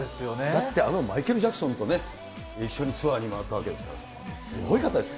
だってあのマイケル・ジャクソンとも一緒にツアーに回ったわけですから、すごい方です。